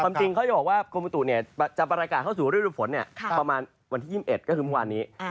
จริงเขาจะบอกว่ากรมประตูจะประกาศเข้าสู่ฤดูฝนประมาณวันที่๒๑ก็คือเมื่อวานนี้